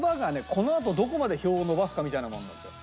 このあとどこまで票を伸ばすかみたいなものなんですよ。